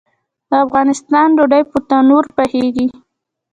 د افغانستان ډوډۍ په تندور پخیږي